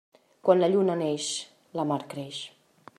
Quan la lluna neix, la mar creix.